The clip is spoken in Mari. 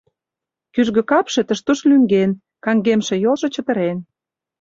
Кӱжгӧ капше тыш-туш лӱҥген, каҥгемше йолжо чытырен.